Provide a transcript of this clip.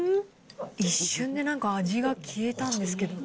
一瞬でなんか味が消えたんですけど。